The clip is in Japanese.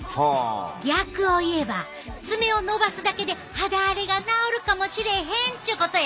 逆を言えば爪を伸ばすだけで肌荒れが治るかもしれへんっちゅうことや！